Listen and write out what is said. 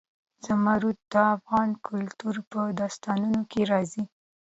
زمرد د افغان کلتور په داستانونو کې راځي.